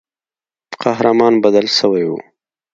قهرمان بدل سوی وو.